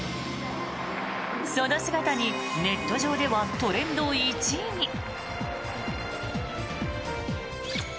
その姿にネット上ではトレンド１位に。